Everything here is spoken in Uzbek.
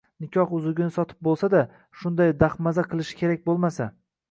nikoh uzugini sotib bo‘lsada, shunday dahmaza qilishi kerak bo‘lmasa